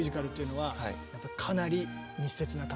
はい。